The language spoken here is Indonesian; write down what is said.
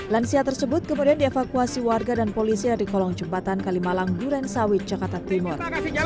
lansia tersebut kemudian dievakuasi warga dan polisi dari kolong jembatan kalimalang duren sawit jakarta timur